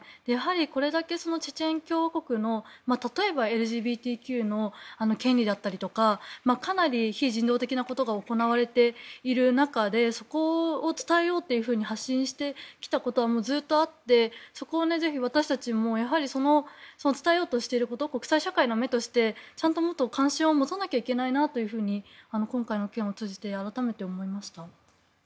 これだけチェチェン共和国の例えばＬＧＢＴＱの権利だったりとかかなり非人道的なことが行われている中でそこを伝えようというふうに発信してきたことはずっとあってそこをぜひ私たちもやはり、伝えようとしていること国際社会の目としてちゃんともっと関心を持たないといけないなというふうに今回の件を通じて改めて思いました。